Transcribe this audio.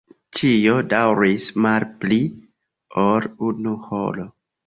Ĉio daŭris malpli ol unu horo.